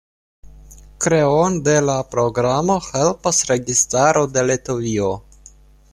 Kreon de la programo helpas registaro de Litovio.